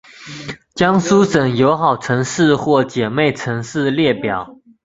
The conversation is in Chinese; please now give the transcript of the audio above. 江苏省友好城市或姐妹城市列表